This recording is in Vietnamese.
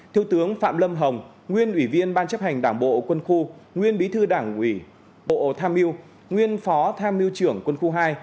thiếu tướng phạm lâm hồng nguyên ủy viên ban chấp hành đảng bộ quân khu nguyên bí thư đảng ủy bộ tham mưu nguyên phó tham mưu trưởng quân khu hai